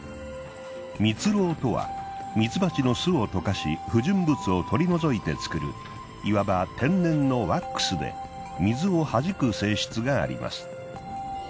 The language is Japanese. ミツロウとはミツバチの巣を溶かし不純物を取り除いて作るいわば天然のワックスで水をはじく性質があります。